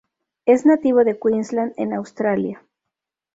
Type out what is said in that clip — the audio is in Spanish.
Es nativo de Queensland en Australia.